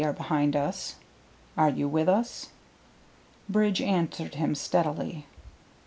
are behind us. Are you with us?" Bridge answered him steadily.